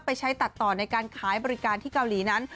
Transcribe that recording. ไปใช้ตัดต่อในการขายบริการที่เกาหลีนั้น